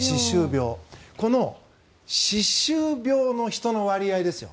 この歯周病の人の割合ですよ。